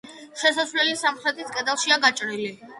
შესასვლელი სამხრეთის კედელშია გაჭრილი.